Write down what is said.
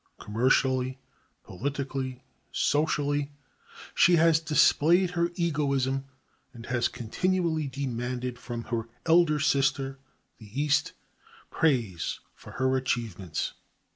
Commercially, politically, socially she has displayed her egoism and has continually demanded from her elder sister, the East, praise for her achievements.